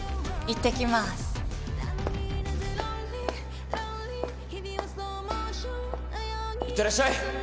いってらっしゃい。